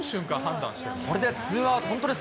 これでツーアウト。